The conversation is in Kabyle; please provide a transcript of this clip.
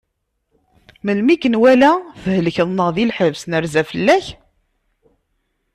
Melmi i k-nwala thelkeḍ neɣ di lḥebs, nerza fell-ak?